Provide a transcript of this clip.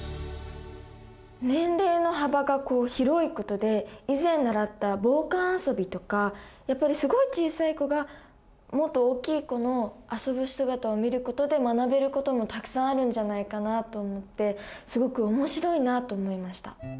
年齢の幅が広いことで以前習った傍観遊びとかやっぱりすごい小さい子がもっと大きい子の遊ぶ姿を見ることで学べることもたくさんあるんじゃないかなと思ってすごく面白いなあと思いました。